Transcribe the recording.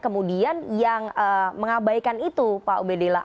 kemudian yang mengabaikan itu pak ubedillah